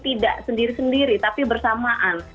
tidak sendiri sendiri tapi bersamaan